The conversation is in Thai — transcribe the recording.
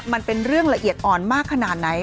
มันเป็นเรื่องละเอียดอ่อนมากขนาดไหน